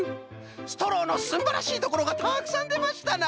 ストローのすんばらしいところがたくさんでましたな！